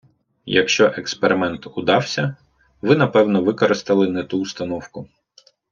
Якщо експеримент удався, ви напевно використали не ту установку.